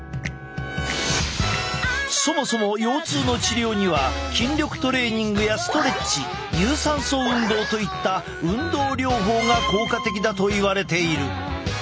そもそも腰痛の治療には筋力トレーニングやストレッチ有酸素運動といった運動療法が効果的だといわれている。